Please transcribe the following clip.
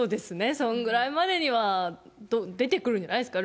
そんぐらいまでには出てくるんじゃないですか。